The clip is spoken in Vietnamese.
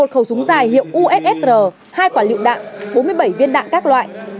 một khẩu súng dài hiệu usr hai quả lựu đạn bốn mươi bảy viên đạn các loại